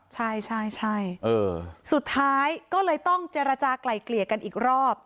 ใช่ใช่สุดท้ายก็เลยต้องเจรจากลายเกลี่ยกันอีกรอบ